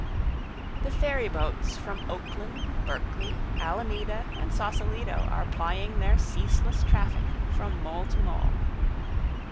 The ferryboats from Oakland, Berkeley, Alameda, and Sausalito are plying their ceaseless traffic from mole to mole.